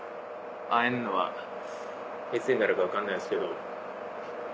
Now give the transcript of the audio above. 会えるのはいつになるか分かんないですけど。